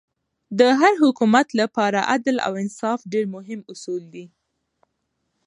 د هر حکومت له پاره عدل او انصاف ډېر مهم اصول دي.